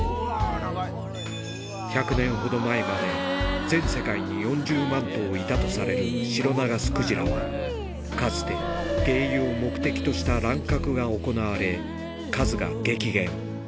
１００年ほど前まで、全世界に４０万頭いたとされるシロナガスクジラは、かつて、鯨油を目的とした乱獲が行われ、数が激減。